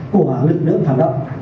của lực lượng phản động